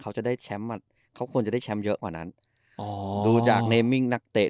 เขาจะได้แชมป์มาเขาควรจะได้แชมป์เยอะกว่านั้นอ๋อดูจากเมมมิ่งนักเตะ